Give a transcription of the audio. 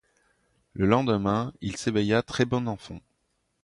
Le lendemain, il s'éveilla très bon enfant.